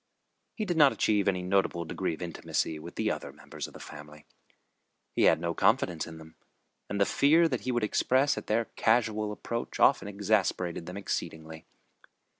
He did not achieve any notable degree of intimacy with the other members of the family. He had no confidence in them, and the fear that he would express at their casual approach often exasperated them exceedingly.